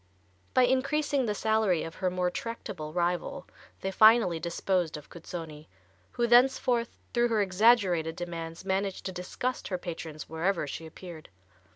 By increasing the salary of her more tractable rival they finally disposed of Cuzzoni, who thenceforth through her exaggerated demands, managed to disgust her patrons wherever she appeared.